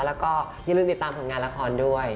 แล้วก็ให้เริ่มติดตามของงานละครด้วย